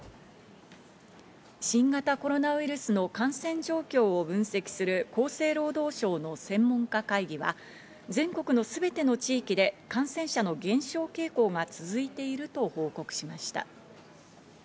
新型コロナウイルスの感染状況を分析する厚生労働省の専門家会議は、全国のすべての地域で感染者の減少傾向が続いていると報告しました。